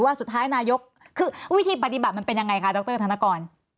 วิธีปฏิบัติมันเป็นยังไงค่ะดรธนกร